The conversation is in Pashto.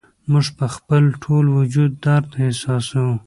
موږ په خپل ټول وجود درد احساسوو